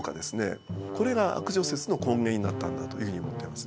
これが悪女説の根源になったんだというふうに思ってます。